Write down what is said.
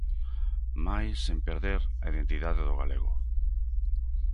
Mais sen perder a identidade do galego!